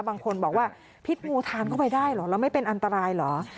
บางคนบอกว่าพิษงูทานเข้าไปได้เหรอแล้วไม่เป็นอันตรายเหรอ